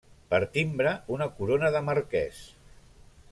Per timbre, una corona de marquès.